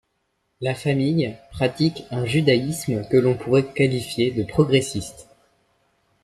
La famille pratique un judaïsme que l'on pourrait qualifier de progressiste.